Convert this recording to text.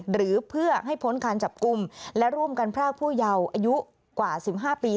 หรือเพื่อให้พ้นการจับกลุ่มและร่วมกันพรากผู้เยาว์อายุกว่า๑๕ปี